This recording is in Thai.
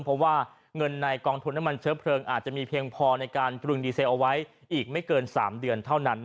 เพราะว่าเงินในกองทุนน้ำมันเชื้อเพลิงอาจจะมีเพียงพอในการตรึงดีเซลเอาไว้อีกไม่เกิน๓เดือนเท่านั้น